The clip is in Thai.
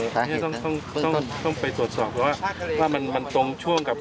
พวกนี้ต้องไปสวดสอบว่ามันตรงช่วงกับ